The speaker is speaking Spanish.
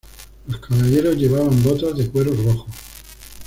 Los caballeros llevaban botas de cuero rojo.